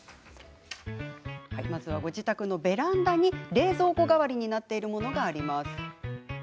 ご自宅のベランダには冷蔵庫代わりになっているものがあるんです。